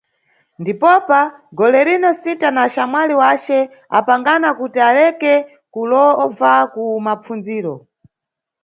Ndipopa, golerino, Sinta na axamwali wace apangana kuti aleke kulova ku mapfundziro.